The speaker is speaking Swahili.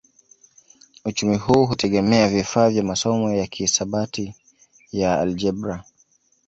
Uchumi huu hutegemea vifaa vya masomo ya kihisabati ya aljebra